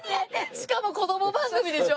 しかも子供番組でしょ？